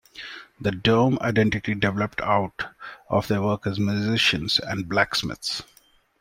The Dom identity developed out of their work as musicians and blacksmiths.